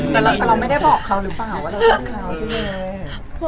แต่เราไม่ได้บอกเขาหรือเปล่าว่าเราเลือกเขาด้วยไง